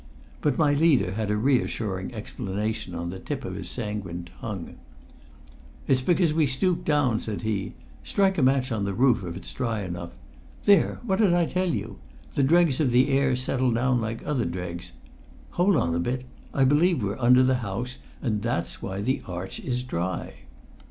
But my leader had a reassuring explanation on the tip of his sanguine tongue. "It's because we stooped down," said he. "Strike a match on the roof if it's dry enough. There! What did I tell you? The dregs of the air settle down like other dregs. Hold on a bit! I believe we're under the house, and that's why the arch is dry."